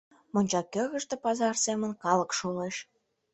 Монча кӧргыштӧ пазар семын калык шолеш.